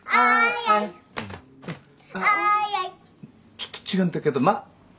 ちょっと違うんだけどまっいっか。